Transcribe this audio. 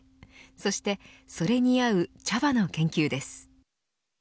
そしてそれに合う茶葉の研究です。